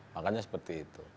makanya seperti itu